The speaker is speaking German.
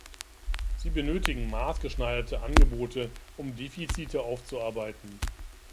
Sie benötigen maßgeschneiderte Angebote, um Defizite aufzuarbeiten.